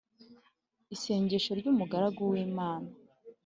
Isengesho ry umugaragu w Imana